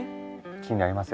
気になりますよね。